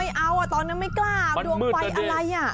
ไม่เอาตอนนั้นไม่กล้าดวงไฟอะไร